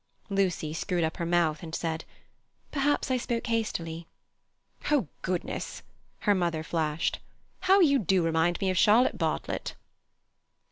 Lucy screwed up her mouth and said: "Perhaps I spoke hastily." "Oh, goodness!" her mother flashed. "How you do remind me of Charlotte Bartlett!"